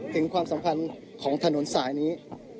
ถึงความสำคัญของถนนสายนี้